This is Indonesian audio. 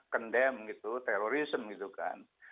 kendem gitu terorisme gitu kan